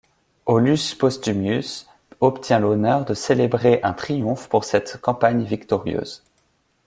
Aulus Postumius obtient l'honneur de célébrer un triomphe pour cette campagne victorieuse.